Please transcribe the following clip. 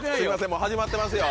もう始まってますよ。